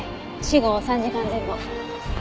死後３時間前後。